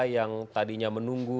yang tadinya menunggu